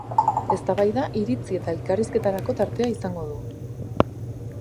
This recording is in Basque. Eztabaida, iritzi eta elkarrizketarako tartea izango du.